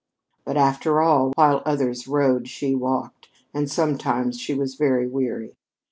But, after all, while others rode, she walked, and sometimes she was very weary.